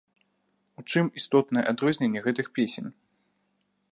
У чым істотнае адрозненне гэтых песень?